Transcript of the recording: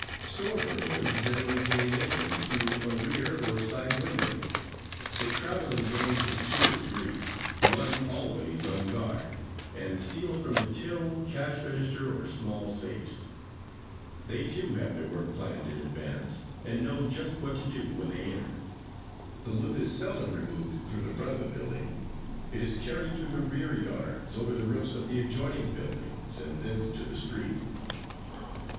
"Store burglars generally gain entrance through a rear or side window. They travel in gangs of two or three, one always on guard, and steal from the till, cash register or small safes. They, too, have their work planned in advance, and know just what to do when they enter. The loot is seldom removed through the front of the building; it is carried through the rear yards or over the roofs of an adjoining building and thence to the street.